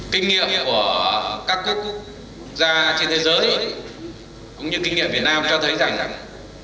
kinh nghiệm của các quốc gia trên thế giới cũng như kinh nghiệm việt nam cho thấy rằng